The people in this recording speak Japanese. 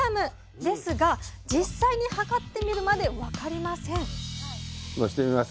ですが実際に量ってみるまで分かりません載してみます。